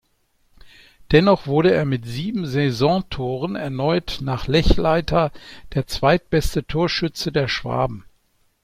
Dennoch wurde er mit sieben Saisontoren erneut nach Lechleiter der zweitbeste Torschütze der Schwaben.